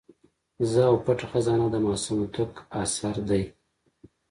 زه او پټه خزانه د معصوم هوتک اثر دی.